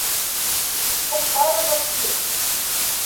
Ҡотҡарығыҙ, тим.